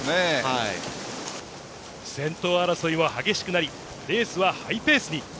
先頭争いは激しくなりレースはハイペースに。